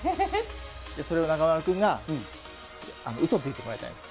それを中丸君が、うそついてもらいたいんです。